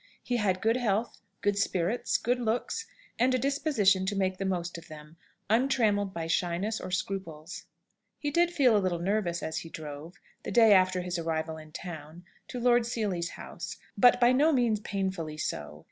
He had good health, good spirits, good looks, and a disposition to make the most of them, untrammelled by shyness or scruples. He did feel a little nervous as he drove, the day after his arrival in town, to Lord Seely's house, but by no means painfully so.